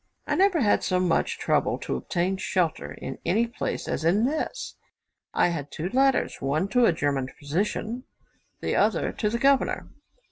I never had so much trouble to obtain shelter in any place as in this. I had two letters, one to a German physician, the other to the governor.